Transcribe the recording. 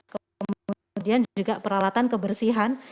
kemudian juga peralatan kebersihan